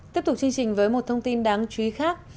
tiếp tục chương trình với một thông tin đáng chú ý khác